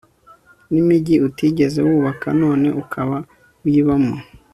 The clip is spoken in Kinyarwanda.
n'imigi utigeze wubaka, none ukaba uyibamo